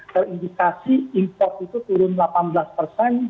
terindikasi import itu turun delapan belas dari perkiraan tujuh lima ya turunnya